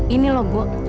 ini loh bu